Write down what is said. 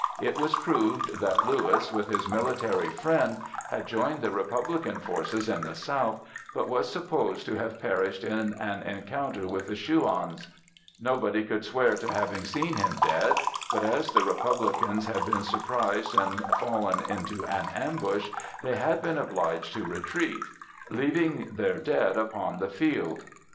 It was proved that Louis, with his military friend, had joined the Republican forces in the south, but was supposed to have perished in an encounter with the Chouans; nobody could swear to having seen him dead; but, as the Republicans had been surprised and fallen into an ambush, they had been obliged to retreat, leaving their dead upon the field.